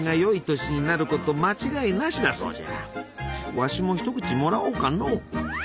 わしも一口もらおうかのう。